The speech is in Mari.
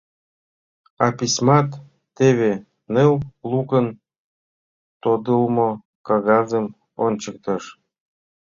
— А письмат — теве! — ныл лукын тодылмо кагазым ончыктыш.